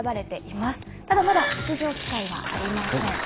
まだまだ出場機会はありません。